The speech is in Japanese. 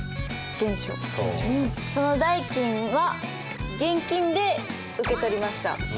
その代金は現金で受け取りました。